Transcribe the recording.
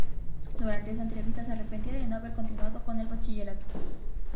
Durante esa entrevista se arrepentía de no haber continuado con el Bachillerato.